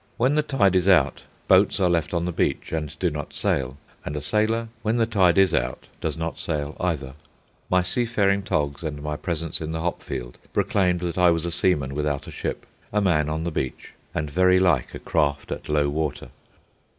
When the tide is out boats are left on the beach and do not sail, and a sailor, when the tide is out, does not sail either. My seafaring togs and my presence in the hop field proclaimed that I was a seaman without a ship, a man on the beach, and very like a craft at low water.